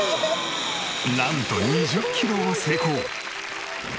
なんと２０キロを成功。